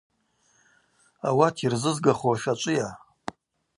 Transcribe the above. Ауат йырзызгахуаш ачӏвыйа?